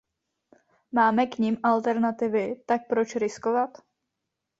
Máme k nim alternativy, tak proč riskovat?